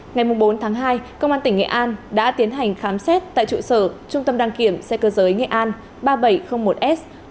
ngày bốn tháng hai công an tỉnh nghệ an đã tiến hành khám xét tại trụ sở trung tâm đăng kiểm xe cơ giới nghệ an ba nghìn bảy trăm linh một s